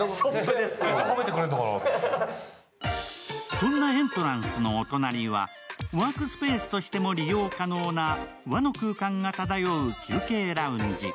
そんなエントランスのお隣はワークスペースとしても利用可能な和の空間が漂う休憩ラウンジ。